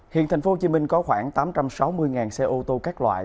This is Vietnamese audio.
hiện tp hcm có khoảng tám trăm sáu mươi xe ô tô các loại